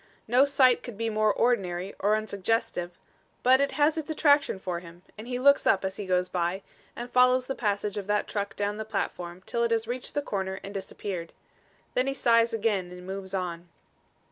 No sight could be more ordinary or unsuggestive, but it has its attraction for him, for he looks up as he goes by and follows the passage of that truck down the platform till it has reached the corner and disappeared. Then he sighs again and again moves on.